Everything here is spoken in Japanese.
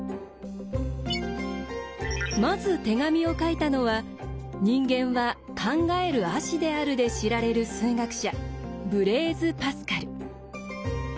まず手紙を書いたのは「人間は考える葦である」で知られる数学者ブレーズ・パスカル。